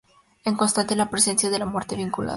Es constante la presencia de la muerte vinculada.